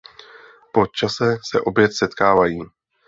Po čase se opět setkávají.